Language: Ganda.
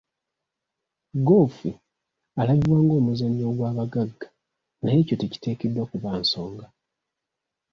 Ggoofu alabibwa ng'omuzannyo ogw'abagagga naye ekyo tekiteekeddwa kuba nsonga.